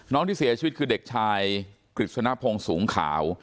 ที่เสียชีวิตคือเด็กชายกฤษณพงศ์สูงขาว